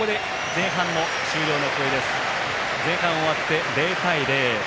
前半終わって０対０。